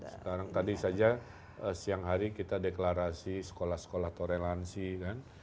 sekarang tadi saja siang hari kita deklarasi sekolah sekolah toleransi kan